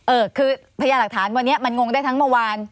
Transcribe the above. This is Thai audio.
เออคือพยาหลักฐานวันนี้มันงงได้ทั้งเมื่อวาน